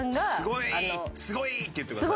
「スゴイー！って言ってください」。